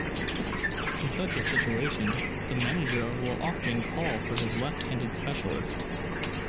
In such a situation, the manager will often call for his left-handed specialist.